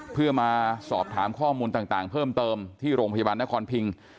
เพื่อมาสอบถามข้อมูลต่างเพิ่มเติมที่โรงพยาบาลนครพิง